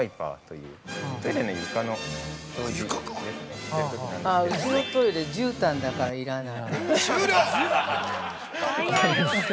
◆うちのトイレじゅうたんだから要らない。